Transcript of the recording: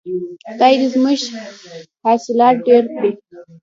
خدای دې زموږ حاصلات ډیر کړي.